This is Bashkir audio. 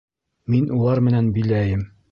Мин улар менән биләйем.